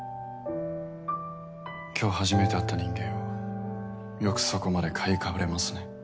今日初めて会った人間をよくそこまで買いかぶれますね。